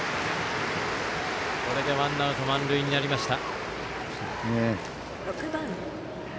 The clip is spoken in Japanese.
これでワンアウト満塁になりました。